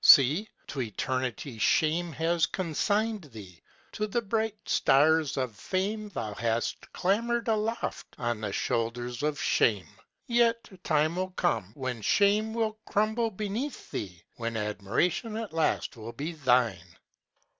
See! to eternity shame has consigned thee! To the bright stars of fame Thou hast clambered aloft, on the shoulders of shame! Yet time will come when shame will crumble beneath thee, When admiration at length will be thine!